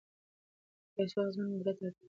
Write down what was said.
د پیسو اغیزمن مدیریت اړین دی.